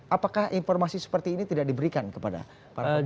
apakah informasi seperti ini tidak diberikan kepada para pemudik